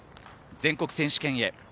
全国選手権へ。